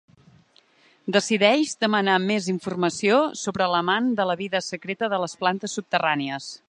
Decideix demanar més informació sobre l'amant de la vida secreta de les plantes subterrànies.